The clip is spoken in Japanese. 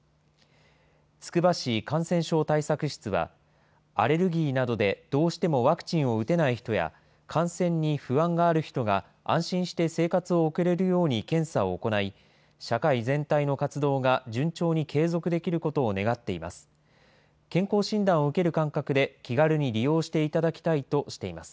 つくば市感染症対策室は、アレルギーなどでどうしてもワクチンを打てない人や、感染に不安がある人が安心して生活を送れるように検査を行い、社会全体の活動が順調に継続できることを願っています。